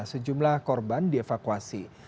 sejumlah korban dievakuasi